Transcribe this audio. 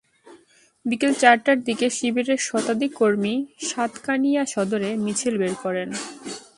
বিকেল চারটার দিকে শিবিরের শতাধিক কর্মী সাতকানিয়া সদরে মিছিল বের করেন।